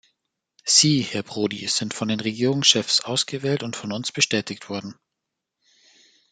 Sie, Herr Prodi, sind von den Regierungschefs ausgewählt und von uns bestätigt worden.